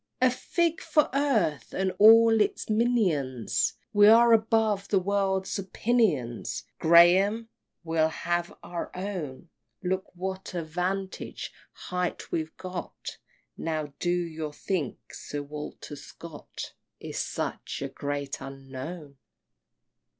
XVI. A fig for earth, and all its minions! We are above the world's opinions, Graham! we'll have our own! Look what a vantage height we've got! Now do you think Sir Walter Scott Is such a Great Unknown?